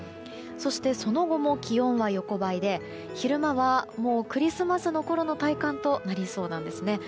そして、その後も気温は横ばいで昼間は、もうクリスマスのころの体感となりそうなんですね。